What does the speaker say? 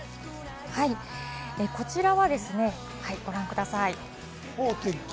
こちら、ご覧ください。